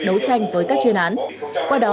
đấu tranh với các chuyên án qua đó